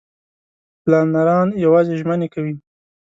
پلانران یوازې ژمنې کوي.